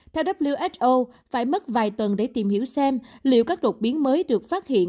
theo who phải mất vài tuần để tìm hiểu xem liệu các đột biến mới được phát hiện